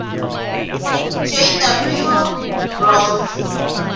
G. W. Rolfe.